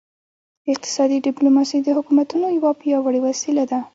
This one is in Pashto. اقتصادي ډیپلوماسي د حکومتونو یوه پیاوړې وسیله ده